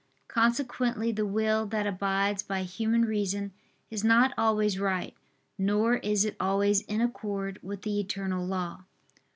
Consequently the will that abides by human reason, is not always right, nor is it always in accord with the eternal law.